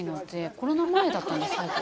コロナ前だったんです、最後。